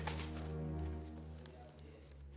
alan sama kakak mau serang merang nih bu